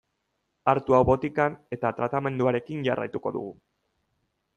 Hartu hau botikan eta tratamenduarekin jarraituko dugu.